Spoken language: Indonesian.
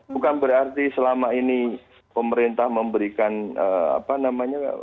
bukan berarti selama ini pemerintah memberikan apa namanya